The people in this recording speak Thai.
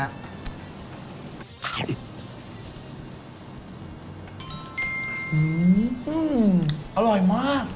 อร่อยมาก